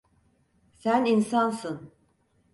Sen insansın.